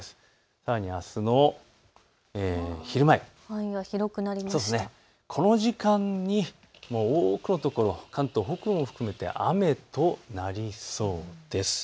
さらにあすの昼前、この時間に多くの所、関東北部も含めて雨となりそうです。